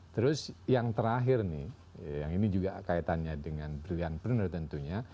terus yang terakhir nih yang ini juga kaitannya dengan brilliantpreneur tentunya